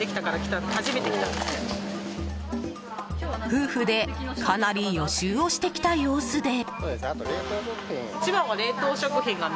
夫婦でかなり予習をしてきた様子で。